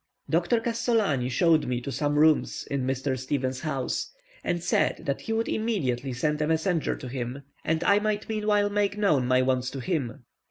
Doctor Cassolani showed me to some rooms in Mr. Stevens's house, and said that he would immediately send a messenger to him, and I might meanwhile make known my wants to him.